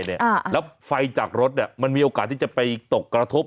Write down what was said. แล้วไฟจากรถมันมีโอกาสที่จะไปตกกระทบ